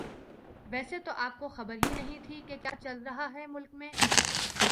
ویسے تو آپ کو خبر ہی نہیں تھی کہ کیا چل رہا ہے ملک میں